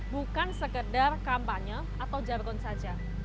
bukan sekedar kampanye atau jargon saja